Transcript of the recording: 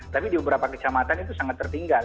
tapi di beberapa kecamatan itu sangat tertinggal